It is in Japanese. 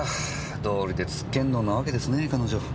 どうりでつっけんどんなわけですね彼女。